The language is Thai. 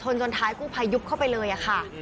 จนท้ายกู้ภัยยุบเข้าไปเลยค่ะ